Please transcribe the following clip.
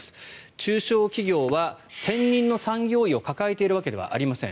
中小企業は専任の産業医を抱えているわけではありません。